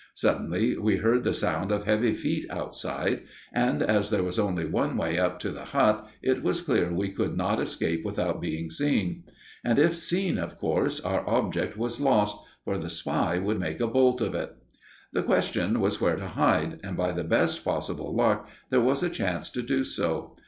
Suddenly we heard the sound of heavy feet outside, and as there was only one way up to the hut, it was clear we could not escape without being seen. And if seen, of course, our object was lost, for the spy would make a bolt of it. The question was where to hide, and, by the best possible luck, there was a chance to do so.